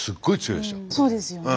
そうですよね。